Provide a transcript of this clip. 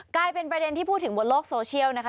กลายเป็นประเด็นที่พูดถึงบนโลกโซเชียลนะคะ